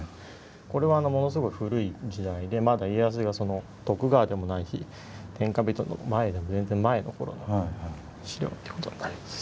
これはものすごく古い時代でまだ家康が徳川でもない日天下人の前全然前の頃の資料ってことになります。